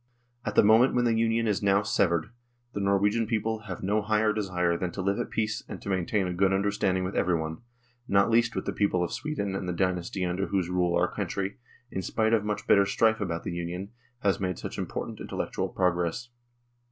At the moment when the Union is now severed, the Norwegian people have no higher desire than to live at peace and to maintain a good under standing with everyone, not least with the people of Sweden and the dynasty under whose rule our country, in spite of much bitter strife about the Union, has made such important intellectual progress.